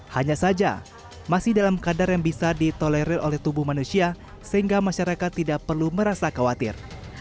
hanya saja masih dalam kadar yang bisa ditolerir oleh tubuh manusia sehingga masyarakat tidak perlu merasa khawatir